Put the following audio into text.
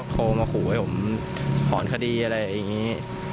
โทรมาขอว่าทรวมขอนคดีอะไรแบบนี้